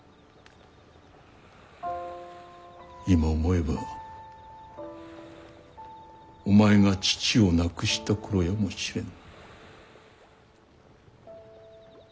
今思えばお前が父を亡くした頃やもしれぬ。